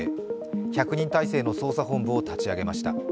１００人態勢の捜査本部を立ち上げました。